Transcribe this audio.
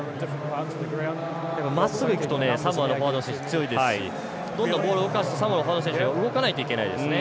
まっすぐいくとサモアのフォワードが強いですしどんどんボールを動かしてサモアの、ほかの選手が動かないといけないですね